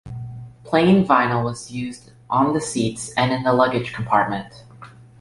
Plain vinyl was used on the seats and in the luggage compartment.